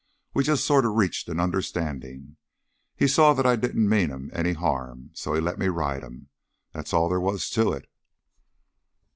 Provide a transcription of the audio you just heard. "We just sort of reached an understanding. He saw that I didn't mean him any harm so he let me ride him. That's all there was to it!"